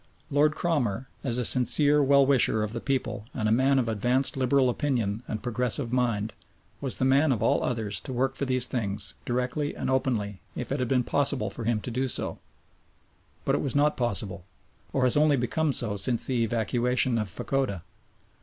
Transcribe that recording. Lord Cromer, as a sincere well wisher of the people and a man of advanced liberal opinion and progressive mind, was the man of all others to work for these things directly and openly if it had been possible for him to do so; but it was not possible, or has only become so since the evacuation of Fachoda.